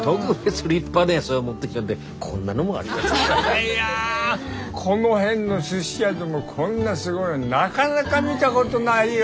いやこの辺のすし屋でもこんなすごいのなかなか見たことないよ。